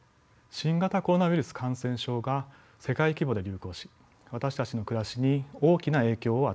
新型コロナウイルス感染症が世界規模で流行し私たちの暮らしに大きな影響を与えています。